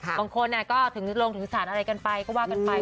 บางคนก็ถึงลงถึงสารอะไรกันไปก็ว่ากันไป